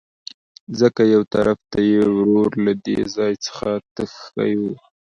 ځکه يوطرف ته يې ورور له دې ځاى څخه تښى وو.